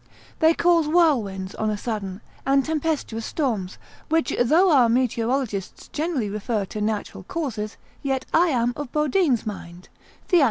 They cause whirlwinds on a sudden, and tempestuous storms; which though our meteorologists generally refer to natural causes, yet I am of Bodine's mind, Theat.